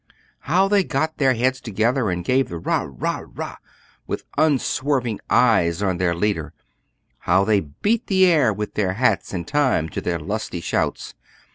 How they got their heads together and gave the "Rah! Rah! Rah!" with unswerving eyes on their leader! How they beat the air with their hats in time to their lusty shouts!